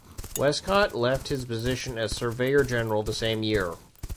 Westcott left his position as surveyor general the same year.